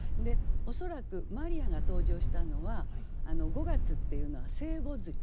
恐らくマリアが登場したのは５月っていうのは聖母月。